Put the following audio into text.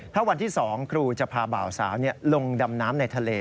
ถ้าวันที่๒ครูจะพาบ่าวสาวลงดำน้ำในทะเล